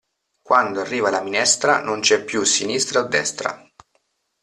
Quando arriva la minestra non c'è più sinistra o destra.